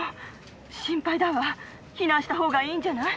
避難した方がいいんじゃない？